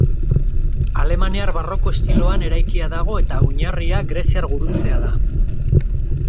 Alemaniar barroko estiloan eraikia dago eta oinarria greziar gurutzea da.